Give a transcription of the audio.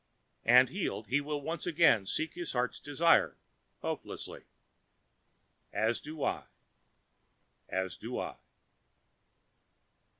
And healed he will once again seek his heart's desire, hopelessly. As do I. As do I.